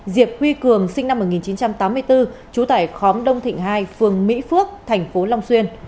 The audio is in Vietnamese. diệp huy cường sinh năm một nghìn chín trăm tám mươi bốn trú tại khóm đông thịnh hai phường mỹ phước thành phố long xuyên